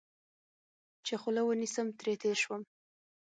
چې خوله ونیسم، ترې تېر شوم.